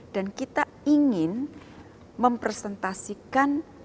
dan kita ingin mempresentasikan